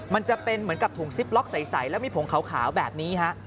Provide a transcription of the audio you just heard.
มันจะเป็นเหมือนกับถุงซิปล็อกใสแล้วมีผงขาวแบบนี้ฮะ